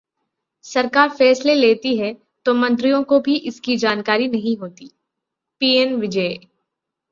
सरकार फैसले लेती है तो मंत्रियों को भी इसकी जानकारी नहीं होती: पीएन विजय